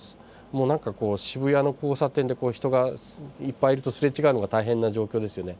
もう何か渋谷の交差点で人がいっぱいいるとすれ違うのが大変な状況ですよね。